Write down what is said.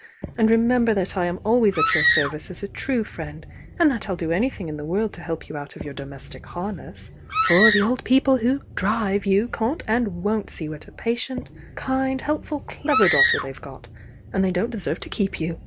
— and remember that I am always at your service as a true friend and that 1 U do anything in the world to help you out of your domestic harness. For the old people who drive you can't and won't see what a patient, kind, helpful clever daughter they've got, and they don't deserve to keep you.